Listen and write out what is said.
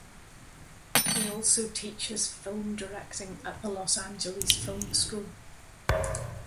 He also teaches film directing at the Los Angeles Film School.